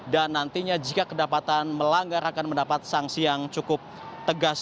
dan nantinya jika kedapatan melanggar akan mendapat sanksi yang cukup tegas